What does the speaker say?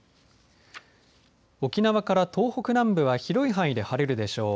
沖縄から東北南部は広い範囲で晴れるでしょう。